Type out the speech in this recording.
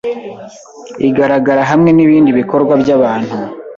igaragara hamwe nibindi bikorwa byabantu